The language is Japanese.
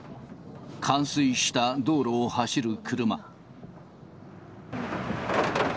冠水した道路を走る車。